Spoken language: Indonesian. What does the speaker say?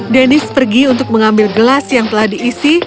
deniz pergi untuk mengambil gelas yang telah diisi